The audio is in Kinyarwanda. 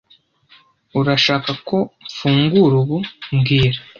Urashaka ko mfungura ubu mbwira